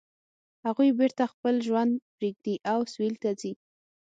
هغوی بیرته خپل ژوند پریږدي او سویل ته ځي